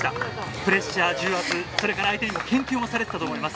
プレッシャー、重圧、それから相手にも研究もされていたと思います。